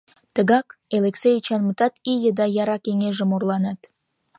Тыгак Элексей Эчанмытат ий еда яра кеҥежым орланат.